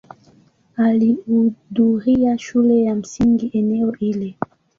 Alihudhuria shule ya msingi eneo hilo.